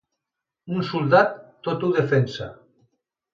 Un soldat, tot ho defensa.